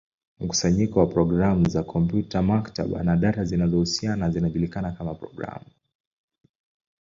Mkusanyo wa programu za kompyuta, maktaba, na data zinazohusiana zinajulikana kama programu.